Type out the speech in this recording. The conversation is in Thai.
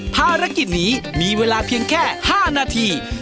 ภารกิจนี้มีเวลาเพียงแค่๕นาที